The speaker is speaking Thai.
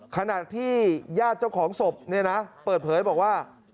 ขณะที่ญาติเจ้าของศพเนี่ยนะเปิดเผยบอกว่า